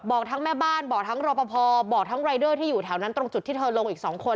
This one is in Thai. บอกทั้งแม่บ้านบอกทั้งรอปภบอกทั้งรายเดอร์ที่อยู่แถวนั้นตรงจุดที่เธอลงอีก๒คน